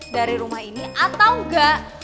dari rumah ini atau enggak